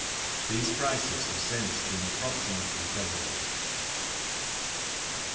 (These prices have since been approximately doubled.)